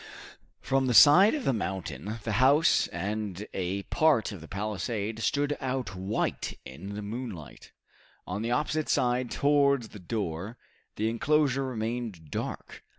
From the side of the mountain, the house and a part of the palisade stood out white in the moonlight. On the opposite side towards the door, the enclosure remained dark.